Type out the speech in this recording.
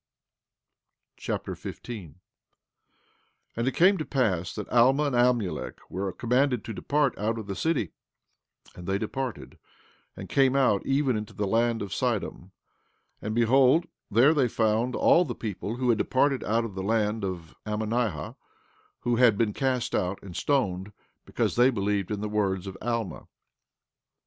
Alma Chapter 15 15:1 And it came to pass that Alma and Amulek were commanded to depart out of that city; and they departed, and came out even into the land of Sidom; and behold, there they found all the people who had departed out of the land of Ammonihah, who had been cast out and stoned, because they believed in the words of Alma.